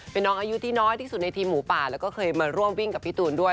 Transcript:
เป็นน้องอายุที่น้อยที่สุดในทีมหมูป่าแล้วก็เคยมาร่วมวิ่งกับพี่ตูนด้วย